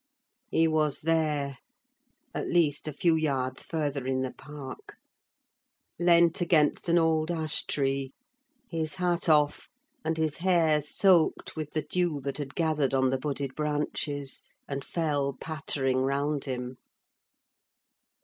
He was there—at least, a few yards further in the park; leant against an old ash tree, his hat off, and his hair soaked with the dew that had gathered on the budded branches, and fell pattering round him.